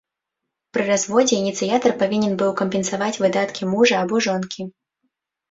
Пры разводзе ініцыятар павінен быў кампенсаваць выдаткі мужа або жонкі.